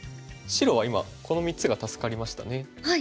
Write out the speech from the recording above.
白は今この３つが助かりましたね。